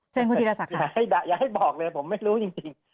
เชิญคุณธีรศักดิ์อย่าให้บอกเลยผมไม่รู้จริง